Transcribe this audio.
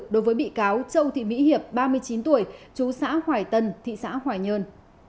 đối với bị cáo châu thị mỹ hiệp ba mươi chín tuổi chú xã hoài tân thị xã hoài nhơn